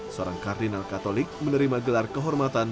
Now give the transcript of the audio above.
seorang kardinal katolik menerima gelar kehormatan